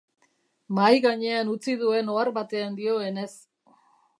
Mahai gainean utzi duen ohar batean dioenez.